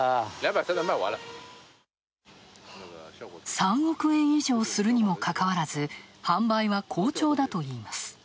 ３億円以上するにもかかわらず販売は好調だといいます。